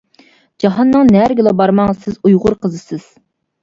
جاھاننىڭ نەرىگىلا بارماڭ سىز ئۇيغۇر قىزىسىز.